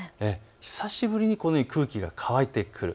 久しぶりにこのように空気が乾いてくる。